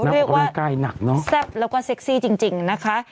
เรียกว่าแซ่บแล้วก็เซ็กซี่จริงนะคะ